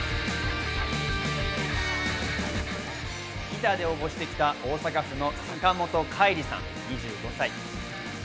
ギターで応募してきた大阪府の坂元快利さん、２５歳。